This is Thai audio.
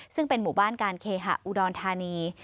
ซึ่งเป็นหมู่บ้านการเคหะอุดรธานี